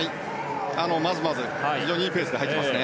まずまず、非常にいいペースで入っています。